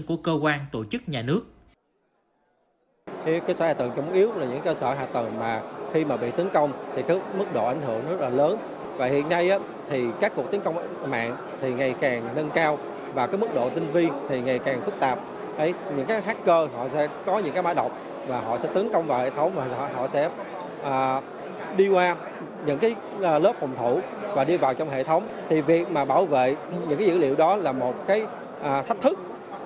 của cơ quan tổ chức nhà nước